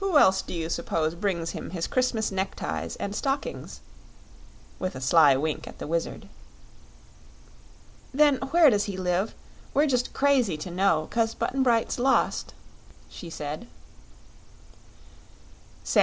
Who else do you suppose brings him his Christmas neckties and stockings?" with a sly wink at the Wizard. "Then where does he live? We're just crazy to know, 'cause Button Bright's lost," she said.